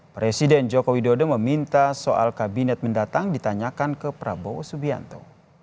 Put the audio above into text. presiden joko widodo meminta soal kabinet mendatang ditanyakan ke prabowo subianto